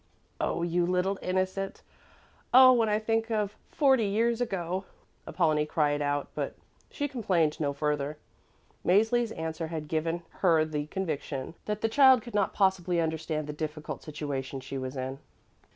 "You little innocent! Oh, when I think of forty years ago!" Apollonie cried out, but she complained no further. Mäzli's answers had clearly given her the conviction that the child could not possibly understand the difficult situation she was in.